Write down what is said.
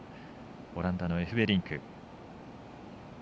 オランダのエフベリンク。